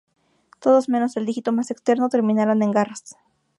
Todos menos el dígito más externo terminaron en garras.